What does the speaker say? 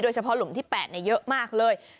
โดยเฉพาะหลุมที่๘เนี่ยเยอะมากเลย